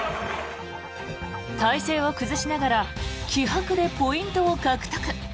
体勢を崩しながら気迫でポイントを獲得。